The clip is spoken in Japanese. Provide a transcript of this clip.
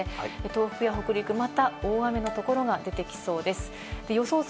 東北や北陸、また大雨のところが出てきそうです。